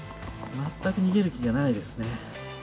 全く逃げる気がないですね。